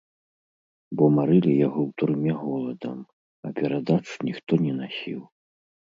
Бо марылі яго ў турме голадам, а перадач ніхто не насіў.